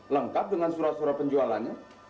lengkap dengan surat surat penjualannya